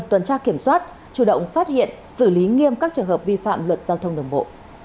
tuần tra kiểm soát chủ động phát hiện xử lý nghiêm các trường hợp vi phạm luật giao thông đồng bộ